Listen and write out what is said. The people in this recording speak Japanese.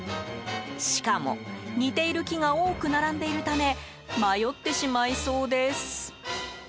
しかも、似ている木が多く並んでいるため迷ってしまいそうです。